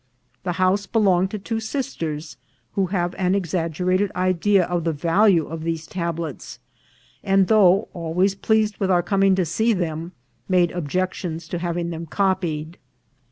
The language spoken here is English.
The house belonged to two sisters, who have an exaggerated idea of the value of these tablets ; and, though always pleas ed with our coming to see them, made objections to having them copied.